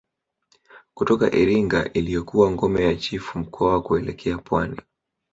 Kutoka Iringa ilikokuwa ngome ya Chifu Mkwawa kuelekea pwani